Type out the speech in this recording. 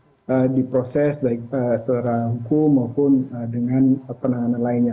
maka ini pun harus diproses baik secara hukum maupun dengan penanganan lainnya